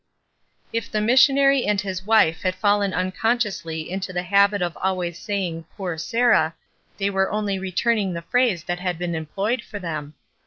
If the missionary and his wife had fallen unconsciously into the habit of always saying "poor Sarah," they were only returning the phrase that had been employed for them.